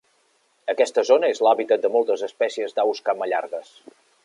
Aquesta zona és l'hàbitat de moltes espècies d'aus camallargues.